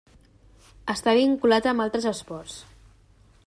Està vinculat amb altres esports.